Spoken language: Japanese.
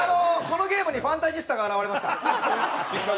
このゲームにファンタジスタが現れました。